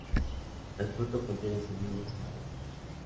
El fruto contiene semillas marrones.